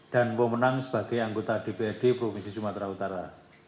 dan memenang sebagai anggota dprd provinsi sumatera utara